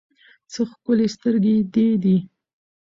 څه ښکلي سترګې دې دي